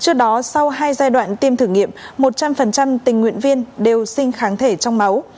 trước đó sau hai giai đoạn tiêm thử nghiệm một trăm linh tình nguyện viên đều sinh kháng thể trong máu